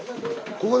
ここで。